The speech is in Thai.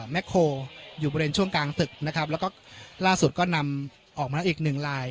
แคลอยู่บริเวณช่วงกลางตึกนะครับแล้วก็ล่าสุดก็นำออกมาแล้วอีกหนึ่งลาย